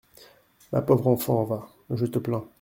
Ma pauvre enfant, va ! je te plains !